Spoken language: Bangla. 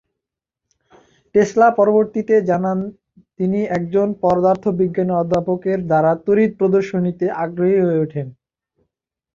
টেসলা পরবর্তীতে জানান তিনি একজন পদার্থ বিজ্ঞানের অধ্যাপকের দ্বারা তড়িৎ প্রদর্শনীতে আগ্রহী হয়ে ওঠেন।